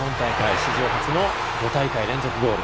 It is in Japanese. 史上初の５大会連続のゴール。